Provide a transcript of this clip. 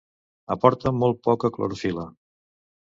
Aporta molt poca clorofil·la.